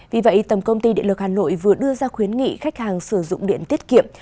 vì vậy tổng công ty điện lực hà nội vừa đưa ra khuyến nghị khách hàng sử dụng điện tiết kiệm